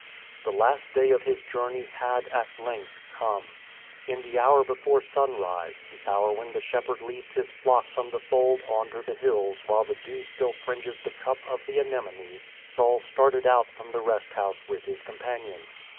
The last day of his journey had, at length, come. In the hour before sunrise, the hour when the shepherd leads his flock from the fold on to the hills while the dew still fringes the cup of the anemone, Saul started out from the rest house with his companions.